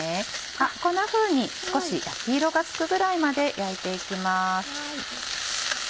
こんなふうに少し焼き色がつくぐらいまで焼いて行きます。